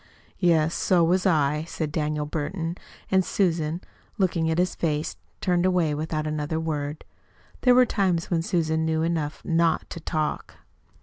"Yes, so was I," said Daniel Burton. And Susan, looking at his face, turned away without another word. There were times when Susan knew enough not to talk.